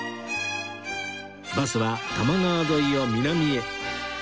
バスは多摩川沿いを南へ